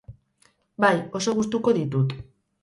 Bai, oso gustuko ditut.